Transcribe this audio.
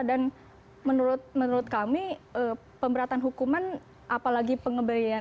dan menurut kami pemberatan hukuman apalagi pengembangan itu harus diuruskan